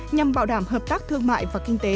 nhằm bảo đảm hợp tác thương mại và kinh tế